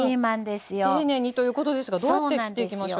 丁寧にということですがどうやって切っていきましょう？